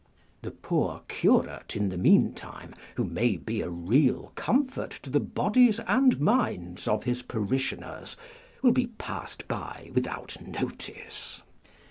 The poor Curate, in the meantime, who may be a real comfort to the bodies and minds of his parishioners, will be passed by without notice.